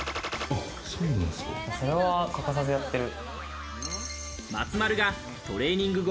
それは欠かさずやってる。